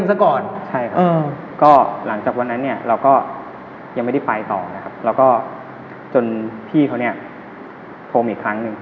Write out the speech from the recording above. ยังไม่ได้ไปต่อแล้วก็จนพี่เขาโทรมอีกครั้งหนึ่ง